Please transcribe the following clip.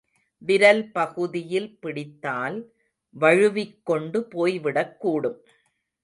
விரல் பகுதியில் பிடித்தால், வழுவிக் கொண்டு போய்விடக்கூடும்.